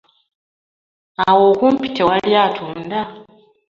Awo okumpi tewali atunda?